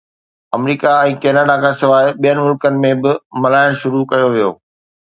آمريڪا ۽ Canada کانسواءِ ٻين ملڪن ۾ به ملهائڻ شروع ڪيو ويو